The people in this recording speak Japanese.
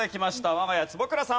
我が家坪倉さん。